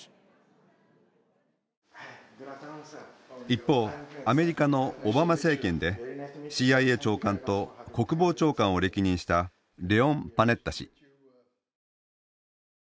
一方アメリカのオバマ政権でＣＩＡ長官と国防長官を歴任したレオン・パネッタ氏。